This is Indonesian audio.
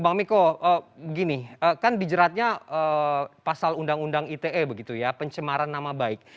bang miko begini kan dijeratnya pasal undang undang ite begitu ya pencemaran nama baik